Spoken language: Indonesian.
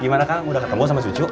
gimana kang udah ketemu sama cucu